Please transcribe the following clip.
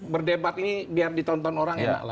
berdebat ini biar ditonton orang enak lah